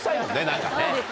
何かね。